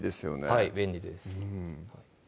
はい便利です